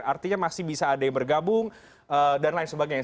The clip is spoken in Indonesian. artinya masih bisa ada yang bergabung dan lain sebagainya